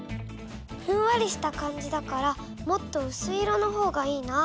ふんわりした感じだからもっとうすい色のほうがいいな。